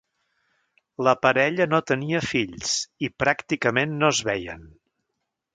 La parella no tenia fills, i pràcticament no es veien.